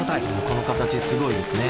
この形すごいですね。